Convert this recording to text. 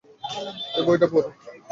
এই বইটা পড়ুন!